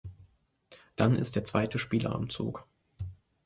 Dann ist der zweite Spieler am Zug.